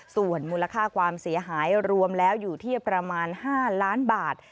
ส่วนมูลค่าความเสียหายรวมแล้วอยู่ที่ประมาณ๕ล้านบาท